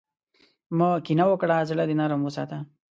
مه کینه وکړه، زړۀ دې نرم وساته.